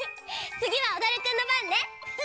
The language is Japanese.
つぎはおどるくんのばんね。